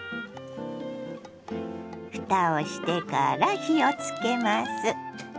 ふたをしてから火をつけます。